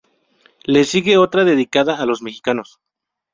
Le sigue otra dedicada a los mexicanos.